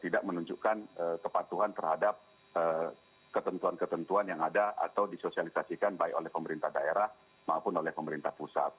tidak menunjukkan kepatuhan terhadap ketentuan ketentuan yang ada atau disosialisasikan baik oleh pemerintah daerah maupun oleh pemerintah pusat